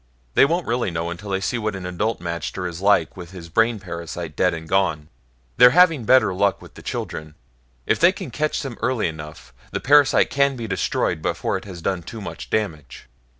"They won't really know until they see what an adult magter is like with his brain parasite dead and gone. They're having better luck with the children. If they catch them early enough, the parasite can be destroyed before it has done too much damage."